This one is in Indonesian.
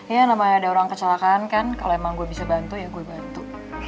ya namanya ada orang kecelakaan kan kalau emang gue bisa bantu ya gue bantu